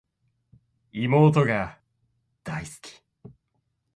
妹が大好き